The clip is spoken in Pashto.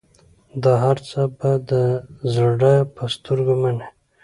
دا هرڅه به د زړه په سترګو منې.